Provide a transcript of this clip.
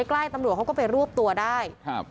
อยู่ใกล้ตำรวจเขาก็ไปรูปตัวได้